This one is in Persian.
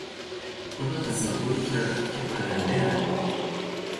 آنها تصور میکردند که پرندهاند.